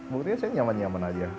maksudnya saya nyaman nyaman saja